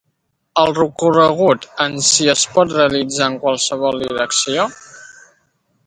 El recorregut en si es pot realitzar en qualsevol direcció.